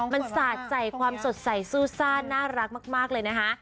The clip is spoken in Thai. มันสาดใจความสดใสซู่ซ่าน่ารักมากเลยนะคะ